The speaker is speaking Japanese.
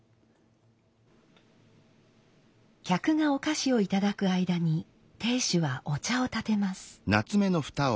客がお菓子をいただく間に亭主はお茶を点てます。